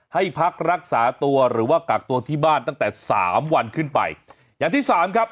ให้พักรักษาตัวหรือว่ากักตัวที่บ้านตั้งแต่สามวันขึ้นไปอย่างที่สามครับ